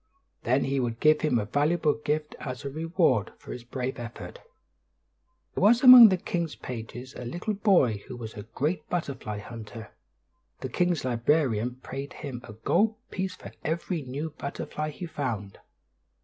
Then he would give him a valuable gift as a reward for his brave effort. There was among the king's pages a little boy who was a great butterfly hunter. The king's librarian paid him a gold piece for every new butterfly he found.